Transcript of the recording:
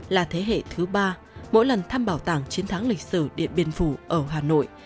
là thế hệ thứ ba mỗi lần thăm bảo tàng chiến thắng lịch sử điện biên phủ ở hà nội